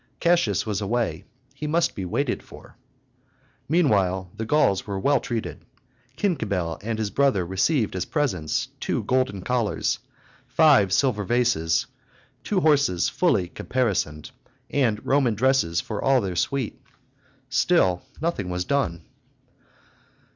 Cassius was away; he must be waited for. Meanwhile the Gauls were well treated; Cincibil and his brother received as presents two golden collars, five silver vases, two horses fully caparisoned, and Roman dresses for all their suite. Still nothing was done.